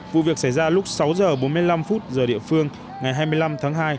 vụ việc xảy ra lúc sáu h bốn mươi năm giờ địa phương ngày hai mươi năm tháng hai